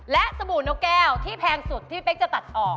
และสบู่นกแก้วที่แพงสุดที่พี่เป๊กจะตัดออก